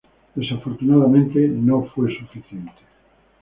Desafortunadamente, no fue suficiente.